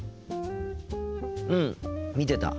うん見てた。